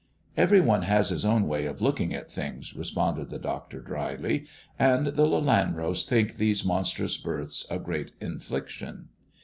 " Every one has his own way of looking at things," re sponded the doctor dryly, "and the Lelanros think these monstrous births a great infliction.